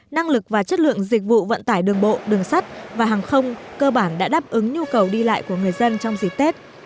năng lực và chất lượng dịch vụ vận tải đường bộ đường sắt và hàng không cơ bản đã đáp ứng nhu cầu đi lại của người dân trong dịp tết